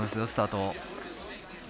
スタート。